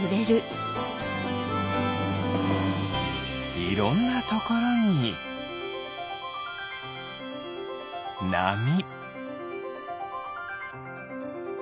いろんなところになみ。